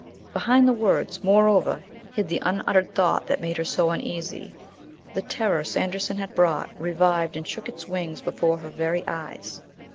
Behind the words, moreover, hid the unuttered thought that made her so uneasy. The terror Sanderson had brought revived and shook its wings before her very eyes.